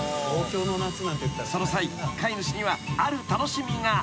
［その際飼い主にはある楽しみが。